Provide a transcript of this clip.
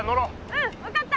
うん分かった。